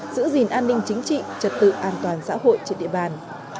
giữ gìn an ninh chính trị trật tự an toàn xã hội trên địa bàn